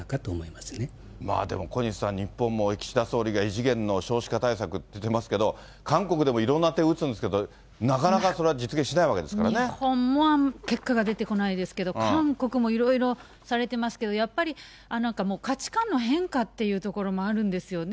まあでも、小西さん、日本も岸田総理が異次元の少子化対策って言ってますけど、韓国でもいろんな手を打つんですけれども、なかなかそれは実現しないわ日本も結果が出てこないですけど、韓国もいろいろ、されてますけど、やっぱり、なんかもう価値観の変化っていうところもあるんですよね。